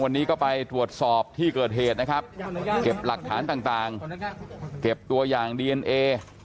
วันนี้ก็ไปตรวจสอบที่เกิดเหตุนะครับเก็บหลักฐานต่างเก็บตัวอย่างดีเอนเอ